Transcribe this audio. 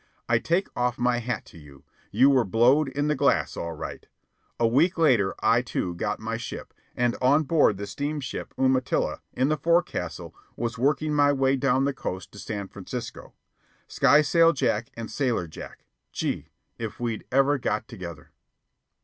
I take off my hat to you. You were "blowed in the glass" all right. A week later I, too, got my ship, and on board the steamship Umatilla, in the forecastle, was working my way down the coast to San Francisco. Skysail Jack and Sailor Jack gee! if we'd ever got together.